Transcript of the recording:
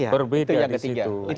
berbeda di situ